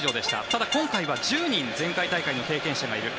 ただ、今回は１０人前回大会の経験者がいる。